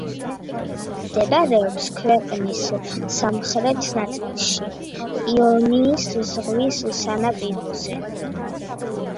მდებარეობს ქვეყნის სამხრეთ ნაწილში, იონიის ზღვის სანაპიროზე.